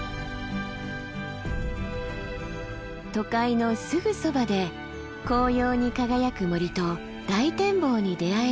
都会のすぐそばで紅葉に輝く森と大展望に出会える雲取山です。